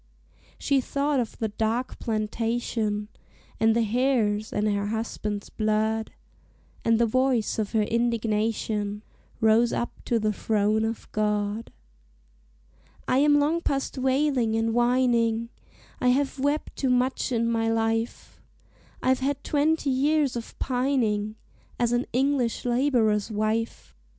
She thought of the dark plantation, And the hares, and her husband's blood, And the voice of her indignation Rose up to the throne of God: "I am long past wailing and whining, I have wept too much in my life: I've had twenty years of pining As an English laborer's wife.